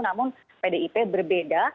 namun pdip berbeda